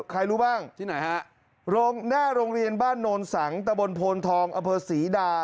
ใครรู้บ้างที่ไหนฮะโรงหน้าโรงเรียนบ้านโนนสังตะบนโพนทองอเภอศรีดา